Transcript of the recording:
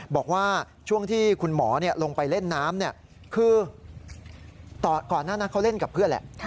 บอกว่าช่วงที่คุณหมอลงไปเล่นน้ำคือก่อนหน้านั้นเขาเล่นกับเพื่อนแหละ